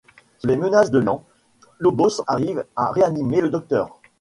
Sous les menaces de Ian, Lobos arrive à réanimer le Docteur.